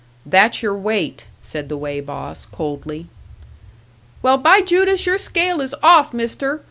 "That's your weight," said the weigh boss, coldly. "Well, by Judas, your scale is off, Mister!